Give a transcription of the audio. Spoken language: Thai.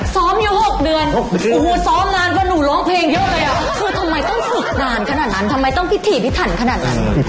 ซ้อมอยู่๖เดือนโอ้โหซ้อมนานกว่าหนูร้องเพลงเยอะเลยอ่ะคือทำไมต้องฝึกนานขนาดนั้นทำไมต้องพิถีพิถันขนาดนั้น